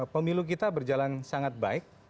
pemilu kita berjalan sangat baik